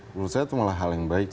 menurut saya itu malah hal yang baik